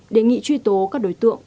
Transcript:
đề nghị truy tố các đối tượng